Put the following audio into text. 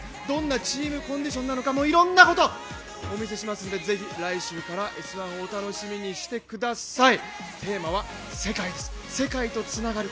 どんなチームコンディションなのかいろんなこと、お見せしますのでぜひ来週から「Ｓ☆１」を楽しみにしてください。